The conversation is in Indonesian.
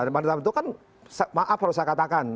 panitera itu kan maaf harus saya katakan